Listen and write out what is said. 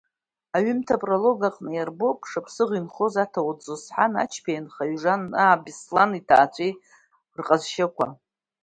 Аҩымҭа апролог аҟны иарбоуп Шаԥсыӷ инхоз аҭауад Зосҳан Ачбеи анхаҩы Жанаа Беслан иԥацәеи рҟазшьақәа.